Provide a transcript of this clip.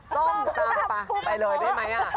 ส้มตำปูปลาร้า